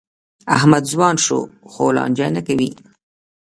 احمد ځوان شو؛ خو لانجه نه کوي.